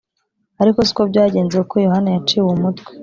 ariko si ko byagenze, kuko yohana yaciwe umutwe